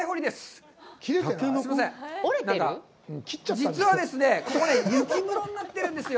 実はですね、ここ、雪室になっているんですよ。